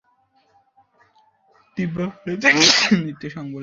দিব্যা ভারতীর নৃত্য সংবলিত গানটি জনপ্রিয়তা অর্জন করে।